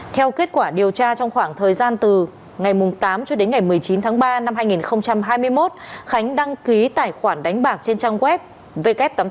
theo kết quả điều tra trong khoảng thời gian từ ngày tám cho đến ngày một mươi chín tháng ba năm hai nghìn hai mươi một khánh đăng ký tài khoản đánh bạc trên trang web vk tám mươi tám